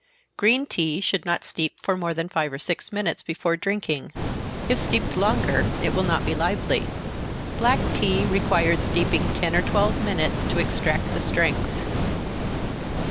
Green tea should not steep more than five or six minutes before drinking if steeped longer, it will not be lively. Black tea requires steeping ten or twelve minutes to extract the strength.